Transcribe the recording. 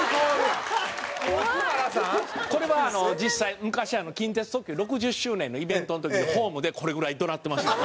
これは実際昔近鉄特急６０周年のイベントの時にホームでこれぐらい怒鳴ってました。